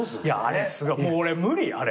俺無理あれ。